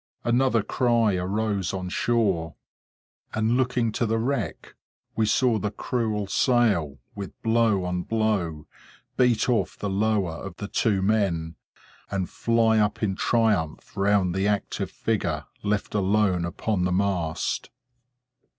Another cry arose on shore; and looking to the wreck, we saw the cruel sail, with blow on blow, beat off the lower of the two men, and fly up in triumph round the active figure left alone upon the mast.